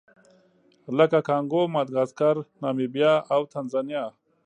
لکه کانګو، ماداګاسکار، نامبیا او تانزانیا.